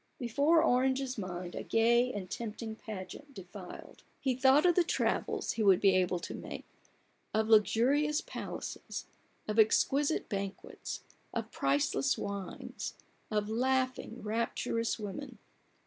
Before Orange's mind a gay and tempting pageant denied. He thought of the travels he would be able to make, of luxurious palaces, of exquisite banquets, of priceless wines, of laughing, rapturous women.